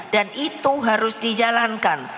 dan itu harus dijalankan